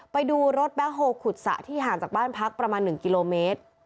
ไปดูรถแบ็คโฮลขุดสระที่ห่างจากบ้านพักประมาณ๑กิโลเมตร